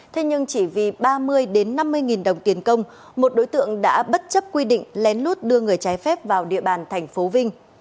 thế nhưng chỉ vì ba mươi năm mươi nghìn đồng tiền công một đối tượng đã bất chấp quy định lén lút đưa người trái phép vào địa bàn thành phố vinh